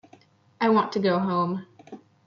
I want to go home.